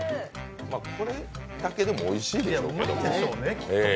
これだけでも、おいしいでしょうけども。